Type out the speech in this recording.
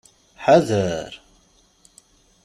Ḥader!